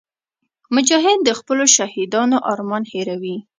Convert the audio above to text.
مجاهد د خپلو شهیدانو ارمان نه هېروي.